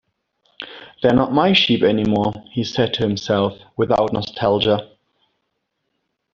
"They're not my sheep anymore," he said to himself, without nostalgia.